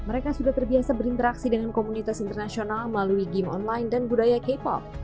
mereka sudah terbiasa berinteraksi dengan komunitas internasional melalui game online dan budaya k pop